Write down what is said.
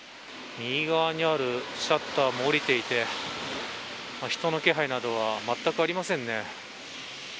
右側にあるシャッターも下りていて人の気配などはまったくありませんね。